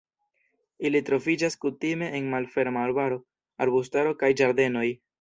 Ili troviĝas kutime en malferma arbaro, arbustaro kaj ĝardenoj.